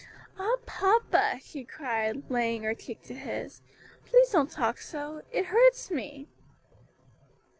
"Ah, papa!" she cried, laying her cheek to his, "please don't talk so; it hurts me."